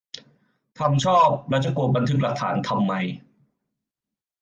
ทำชอบ แล้วจะกลัวคนบันทึกหลักฐานทำไม ?